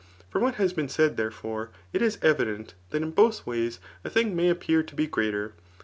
From what has been said, thteefbre, it is evident that in both ways a thing ma;f ^>])eu: to be greater..